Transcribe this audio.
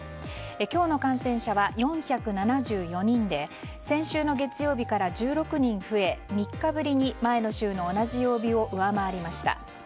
今日の感染者は４７４人で先週の月曜日から１６人増え３日ぶりに前の週の同じ曜日を上回りました。